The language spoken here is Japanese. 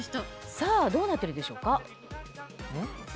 さぁどうなってるでしょうか？